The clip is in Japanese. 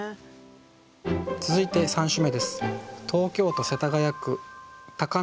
続いて３首目です。